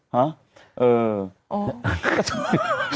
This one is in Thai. เฮ้า